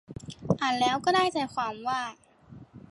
อ่านแล้วก็ได้ใจความว่า